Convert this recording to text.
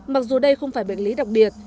mặc dù đây không phải bệnh lý đặc biệt